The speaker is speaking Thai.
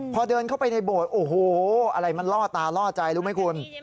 พอเดินเข้าไปในโบสถ์โอ้โหอะไรมันล่อตาล่อใจรู้ไหมคุณ